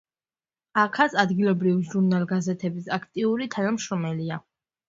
აქაც ადგილობრივი ჟურნალ-გაზეთების აქტიური თანამშრომელია.